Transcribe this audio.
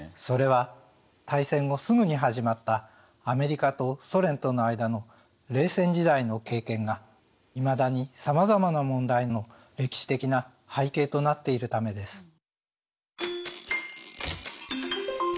それは大戦後すぐに始まったアメリカとソ連との間の冷戦時代の経験がいまだにさまざまな問題の歴史的な背景となっているためです。